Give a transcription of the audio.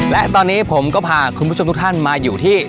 และตอนนี้ผมก็พาคุณผู้ชมทุกท่านมาอยู่ที่